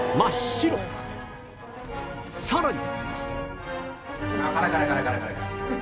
さらに